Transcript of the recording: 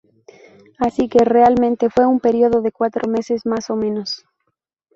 Así que, realmente, fue un período de cuatro meses más o menos.